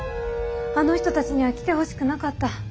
あの人たちには来てほしくなかった。